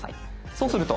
そうすると。